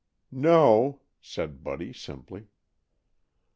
"No," said Buddy simply.